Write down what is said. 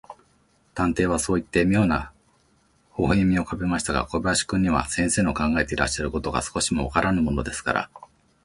探偵はそういって、みょうな微笑をうかべましたが、小林君には、先生の考えていらっしゃることが、少しもわからぬものですから、